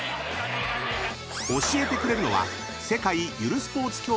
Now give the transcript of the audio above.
［教えてくれるのは］